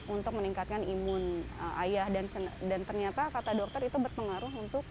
untuk melakukan kekebalan tubuh